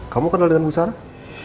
kamu kenal dengan bu sarah